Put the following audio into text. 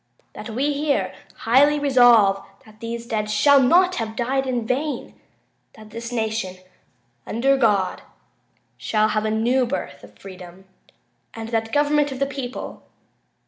.. that we here highly resolve that these dead shall not have died in vain. .. that this nation, under God, shall have a new birth of freedom. .. and that government of the people.